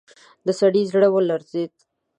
د سړي زړه ولړزېد.